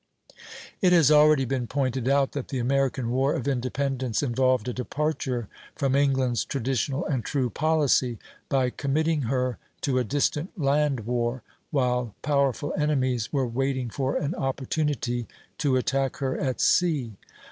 It has already been pointed out that the American War of Independence involved a departure from England's traditional and true policy, by committing her to a distant land war, while powerful enemies were waiting for an opportunity to attack her at sea.